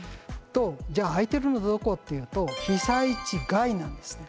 「じゃあ空いてるのどこ？」っていうと被災地外なんですね。